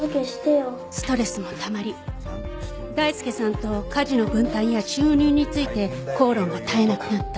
ストレスもたまり大輔さんと家事の分担や収入について口論が絶えなくなった。